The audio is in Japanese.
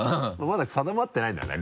まだ定まってないんだね